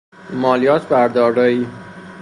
مالیات بر دارایی